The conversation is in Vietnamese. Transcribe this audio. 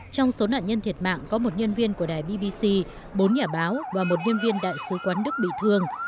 trong số nạn nhân thiệt mạng có một nhân viên của đài bbc bốn nhà báo và một nhân viên đại sứ quán đức bị thương